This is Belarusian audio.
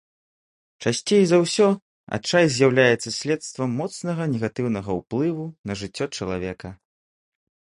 Часцей за ўсё адчай з'яўляецца следствам моцнага негатыўнага ўплыву на жыццё чалавека.